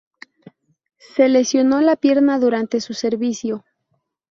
Se lesionó la pierna durante su servicio.